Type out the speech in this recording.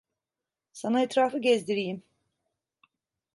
Sana etrafı gezdireyim.